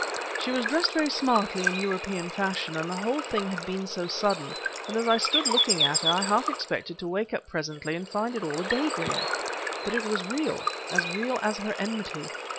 She was dressed very smartly in European fashion, and the whole thing had been so sudden that as I stood looking at her I half expected to wake up presently and find it all a day dream. But it was real as real as her enmity.